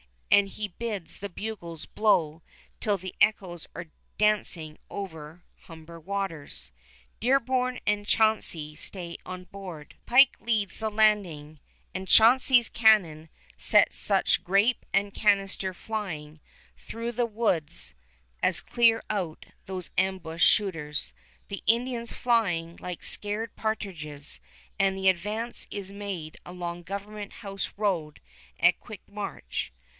and he bids the bugles blow till the echoes are dancing over Humber waters. Dearborn and Chauncey stay on board. Pike leads the landing, and Chauncey's cannon set such grape and canister flying through the woods as clear out those ambushed shooters, the Indians flying like scared partridges, and the advance is made along Government House road at quick march.